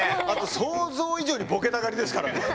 あと想像以上にボケたがりですからね。